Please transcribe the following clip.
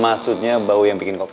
maksudnya bau yang bikin kopi